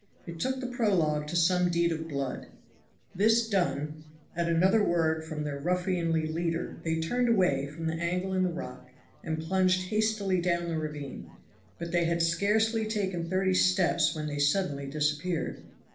It looked the prologue to some deed of blood. This done, at another word from their ruffianly leader they turned away from the angle in the rock and plunged hastily down the ravine; but they had scarcely taken thirty steps when they suddenly disappeared.